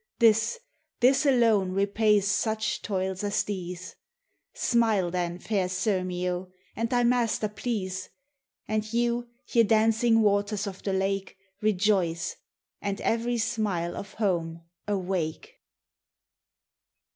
This, this alone, repays such toils as these! Smile, then, fair Sirmio, and thy master please, — And you, ye dancing waters of the lake, Rejoice; and every smile of home awake!